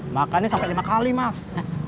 makannya sampai lima kali mas